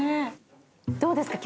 どうですか？